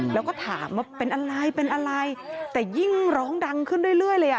แล้วก็ถามว่าเป็นอะไรเป็นอะไรแต่ยิ่งร้องดังขึ้นเรื่อยเลยอ่ะ